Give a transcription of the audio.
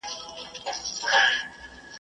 o پک نه پر سر تار لري، نه په غوړو کار لري.